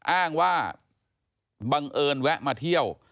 อ้างว่าบังเอิญแวะมาเที่ยว